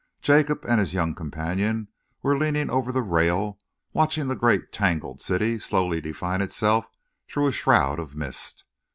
Jacob and his young companion were leaning over the rail, watching the great, tangled city slowly define itself through a shroud of mist.